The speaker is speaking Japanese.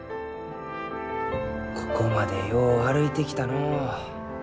ここまでよう歩いてきたのう。